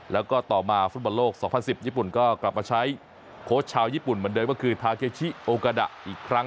แล้วก็ต่อมาฟุตบอลโลก๒๐๑๐ญี่ปุ่นก็กลับมาใช้โค้ชชาวญี่ปุ่นเหมือนเดิมก็คือทาเกชิโอกาดะอีกครั้ง